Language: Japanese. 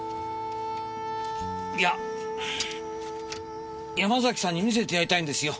いや山崎さんに見せてやりたいんですよ。